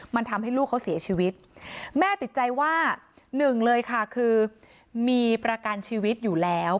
มันทำให้ลูกเขาเสียชีวิตแม่ติดใจว่าหนึ่งเลยค่ะคือมีประกันชีวิตอยู่แล้ว